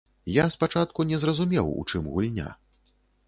Я спачатку не зразумеў, у чым гульня.